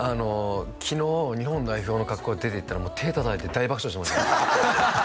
昨日日本代表の格好で出ていったら手叩いて大爆笑してました